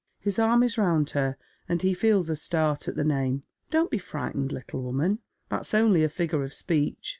His arm is round her, and he feels her start at the name. " Don't be frightened, httle woman. That's only a figure of speech.